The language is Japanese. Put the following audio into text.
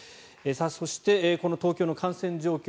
そして、東京の感染状況